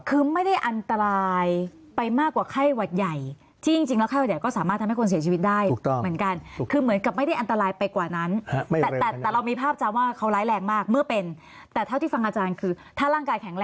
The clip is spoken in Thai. คือไม่ได้อันตรายไปมากกว่าไข้หวัดใหญ่